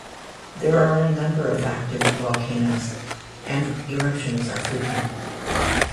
There are a number of active volcanoes, and eruptions are frequent.